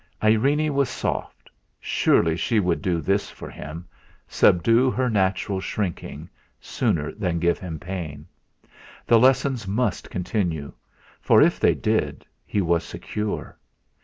Irene was soft, surely she would do this for him, subdue her natural shrinking, sooner than give him pain! The lessons must continue; for if they did, he was secure.